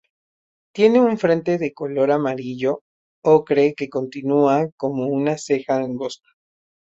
Tiene un frente de color amarillo ocre que continúa como una ceja angosta.